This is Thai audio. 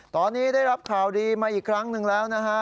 ตอนนี้ได้รับข่าวดีมาอีกครั้งหนึ่งแล้วนะฮะ